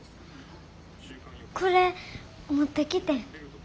これ持ってきてん。